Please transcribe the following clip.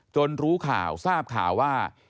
รู้ข่าวทราบข่าวว่า